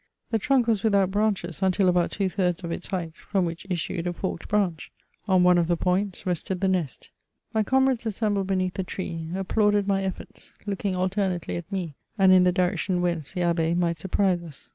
The trunk was without brandies until about two thirds of its height, firom which issued a forked branch. On one of the points zested the nfcst. My comrades assembled beneath the tree applauded my efforts, looking dtemately at me and in the direction whence the Abb^ might surprise us.